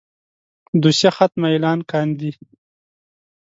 دوسيه ختمه اعلان کاندي.